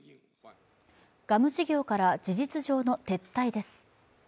ガム事業から事実上の撤退です。